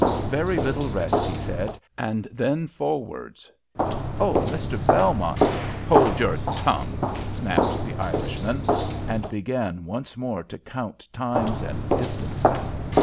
"Very little rest, he said, and then forwards! Oh, Mr. Belmont " "Hold your tongue!" snapped the Irishman, and began once more to count times and distances.